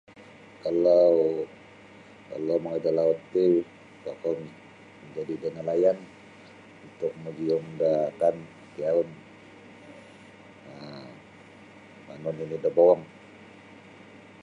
Kalau mongoi da laut ti tokou majadi da nelayan untuk magiyum da akan kiyaun manu nini' da bowong.